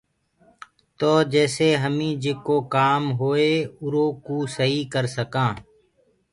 تو جيسي هميٚ جيڪو ڪآم هوئي اُرو ڪوٚ سهيٚ ڪر سڪانٚ۔